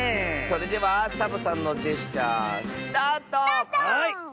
それではサボさんのジェスチャースタート！スタート！